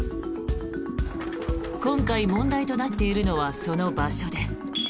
今回、問題となっているのはその場所です。